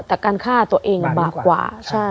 แต่การฆ่าตัวเองบาปกว่า